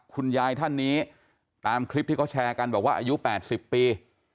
คุณยายท่านนี้ตามคลิปที่เขาแชร์กันบอกว่าอายุ๘๐ปี